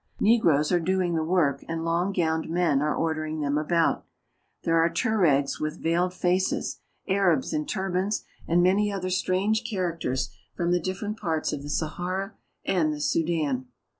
Negroes are doing the work, and long gowned men are ordering them about. There are Tueregs with veiled faces, Arabs in turbans, and many other strange characters from the different parts of the Sahara and the Sudan.